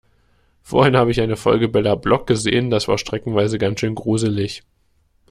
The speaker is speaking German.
Vorhin habe ich eine Folge Bella Block gesehen, das war streckenweise ganz schön gruselig.